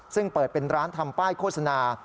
ซึ่งเปิดเป็นร้านทำป้ายโฆษณา